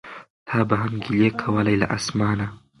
تا به هم ګیلې کولای له اسمانه